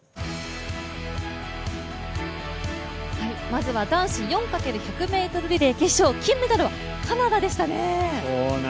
まずは男子４×１００ｍリレー決勝金メダルはカナダでしたね。